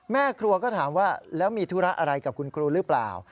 แม่ครัวก็ถามว่าแล้วมีธุระอะไรกับคุณครูหรือเปล่า